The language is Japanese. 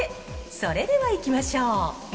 それではいきましょう。